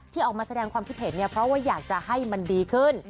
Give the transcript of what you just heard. ออกมาแสดงความคิดเห็นเนี่ยเพราะว่าอยากจะให้มันดีขึ้น